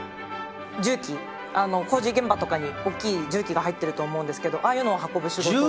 重機工事現場とかに大きい重機が入ってると思うんですけどああいうのを運ぶ仕事をしてて。